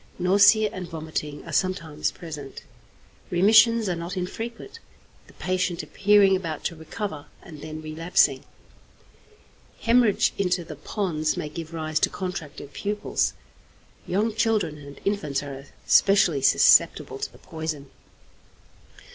Nausea and vomiting are sometimes present. Remissions are not infrequent, the patient appearing about to recover and then relapsing. Hæmorrhage into the pons may give rise to contracted pupils. Young children and infants are specially susceptible to the poison.